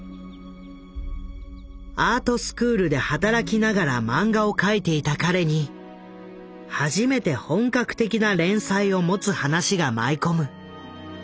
アートスクールで働きながらマンガを描いていた彼に初めて本格的な連載を持つ話が舞い込む。